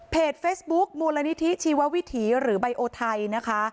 เฟซบุ๊คมูลนิธิชีววิถีหรือใบโอไทยนะคะ